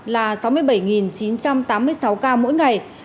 là sáu mươi bảy chín trăm tám mươi sáu ca mỗi ngày